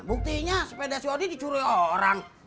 buktinya sepeda si odi dicuri orang